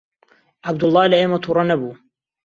عەبدوڵڵا لە ئێمە تووڕە نەبوو.